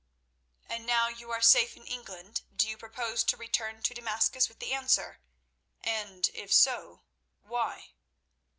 "And now you are safe in England, do you purpose to return to Damascus with the answer, and, if so, why?"